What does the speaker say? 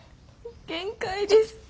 限界です。